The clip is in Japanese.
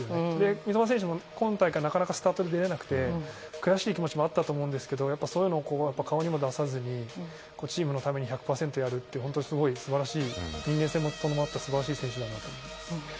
三笘選手、今大会なかなかスタートで出れなくて悔しい気持ちもあったと思うんですけどそういうのを顔にも出さずにチームのために１００％やるって本当に素晴らしい人間性も伴った素晴らしい選手だと思います。